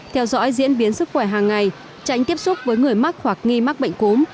theo dõi diễn biến sức khỏe hàng ngày tránh tiếp xúc với người mắc hoặc nghi mắc bệnh cúm